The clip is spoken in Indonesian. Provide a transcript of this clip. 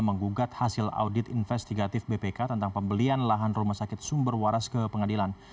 menggugat hasil audit investigatif bpk tentang pembelian lahan rumah sakit sumber waras ke pengadilan